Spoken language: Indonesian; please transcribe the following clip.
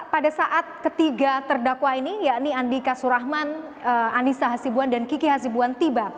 pada saat ketiga terdakwa ini yakni andika surahman anissa hasibuan dan kiki hasibuan tiba